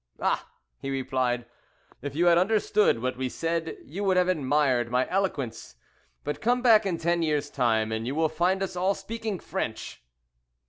"Ah!" he replied. "If you had understood what we said you would have admired my eloquence. But come back in ten years' time, and you will find us all speaking French."